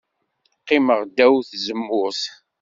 Qqimeɣ ddaw n tzemmurt.